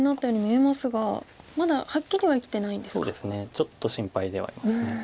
ちょっと心配ではあります。